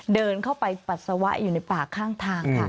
เดินเข้าไปปัสสาวะอยู่ในป่าข้างทางค่ะ